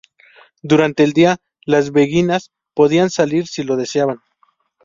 Durante el día, las beguinas podían salir si lo deseaban.